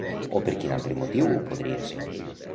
O per quin altre motiu podria ser?